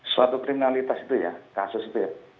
suatu kriminalitas itu ya kasus itu ya